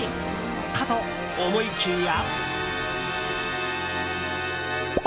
かと思いきや。